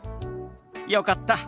よかった。